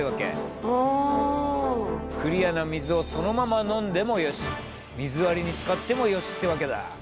クリアな水をそのまま飲んでもよし水割りに使ってもよしってわけだ。